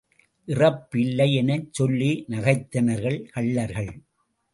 இறப்பு இல்லை எனச் சொல்லி நகைத்தனர்கள் கள்ளர்கள்.